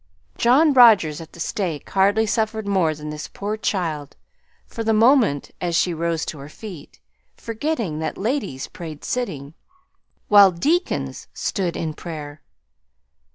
John Rogers at the stake hardly suffered more than this poor child for the moment as she rose to her feet, forgetting that ladies prayed sitting, while deacons stood in prayer.